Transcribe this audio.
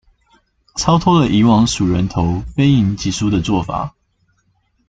超脫了以往數人頭、非贏即輸的做法